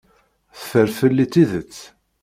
Teffer fell-i tidet.